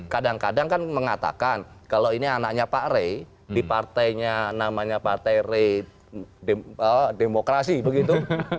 kadang kadang kan mengatakan kalau ini anaknya pak rey di partainya namanya partai rey demokrasi begitu